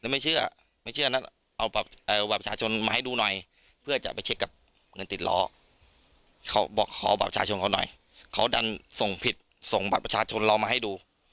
ไม่เชื่อไม่เชื่อนะเอาบัตรประชาชนมาให้ดูหน่อยเพื่อจะไปเช็คกับเงินติดล้อเขาบอกขอบัตรประชาชนเขาหน่อยเขาดันส่งผิดส่งบัตรประชาชนเรามาให้ดู